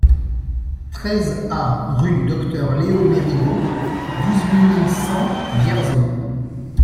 treize A rue du Docteur Léo Mérigot, dix-huit mille cent Vierzon